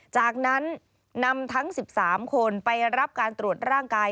จากนั้นนำทั้ง๑๓คนไปรับการตรวจร่างกาย